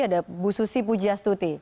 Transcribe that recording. ada bu susi pujiastuti